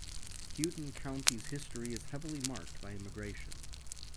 Houghton County's history is heavily marked by immigration.